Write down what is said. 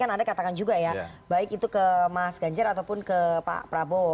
kan anda katakan juga ya baik itu ke mas ganjar ataupun ke pak prabowo